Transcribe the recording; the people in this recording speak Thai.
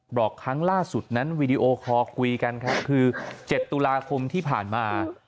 บอกครั้งล่าสุดนั้นวีดีโอคอลคุยกันครับคือ๗ตุลาคมที่ผ่านมา